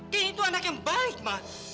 candy itu anak yang baik ma